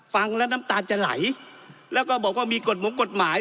ฟังแล้วน้ำตาลจะไหลแล้วก็บอกว่ามีกฎหมงกฎหมาย